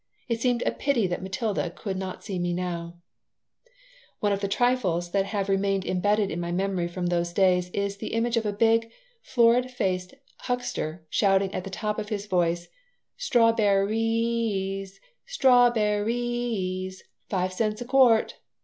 It seemed a pity that Matilda could not see me now One of the trifles that have remained embedded in my memory from those days is the image of a big, florid faced huckster shouting at the top of his husky voice: "Strawberri i ies, strawberri i ies, five cents a quart!"